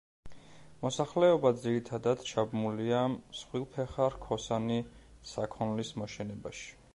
მოსახლეობა ძირითადად ჩაბმულია მსხვილფეხა რქოსანი საქონლის მოშენებაში.